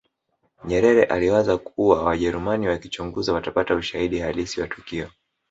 nyerere aliwaza kuwa wajerumani wakichunguza watapata ushahidi halisi wa tukio